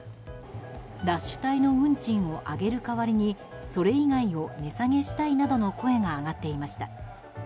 ラッシュ帯の運賃を上げる代わりにそれ以外を値下げしたいなどの声が上がっていました。